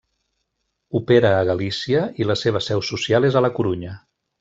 Opera a Galícia i la seva seu social és a la Corunya.